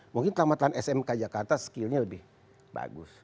mungkin tamatan smk jakarta skillnya lebih bagus